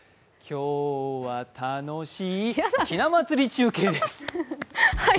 今日は楽しいひな祭り中継です。